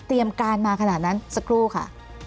เตรียมการมาขนาดนั้นสักครู่ค่ะ